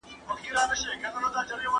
قومي مشران ځواکمن پاتې شول.